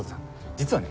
実はね